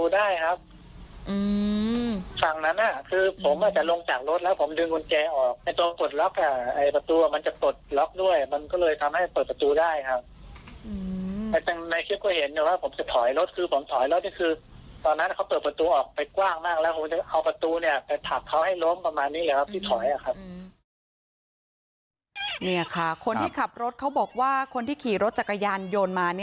อืมฝั่งนั้นอะคือผมอาจจะลงจากรถแล้วผมดึงกุญแจออกตัวปลดล็อกอะประตูมันจะปลดล็อกด้วยมันก็เลยทำให้เปิดประตูได้ค่ะในคลิปก็เห็นว่าผมจะถอยรถคือผมถอยรถนี่คือตอนนั้นเขาเปิดประตูออกไปกว้างมากแล้วผมจะเอาประตูเนี่ยไปถัดเขาให้ล้มประมาณนี้แหละครับที่ถอยอะครับเนี่ยค่ะคนที่ขับรถเขาบอกว่าคนที่ขี่รถจั